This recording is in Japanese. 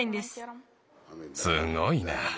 すごいな。